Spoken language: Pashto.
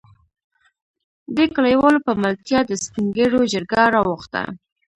دې کليوالو په ملتيا د سپين ږېرو جرګه راوغښته.